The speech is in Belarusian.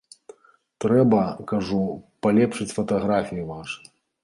Трэба, кажу, палепшыць фатаграфіі вашы.